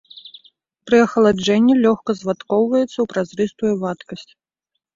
Пры ахаладжэнні лёгка звадкоўваецца ў празрыстую вадкасць.